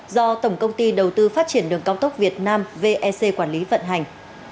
do tổng công ty đầu tư phát triển đường cao tốc việt nam vec quản lý vận hành